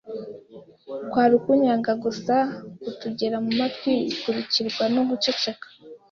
kwari ukunyaga gusa kutugera mumatwi, bikurikirwa no guceceka.